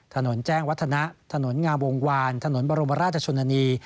ถนนแจ้งวัฒนะถนนงามวงวานถนนบรมราชชนนานี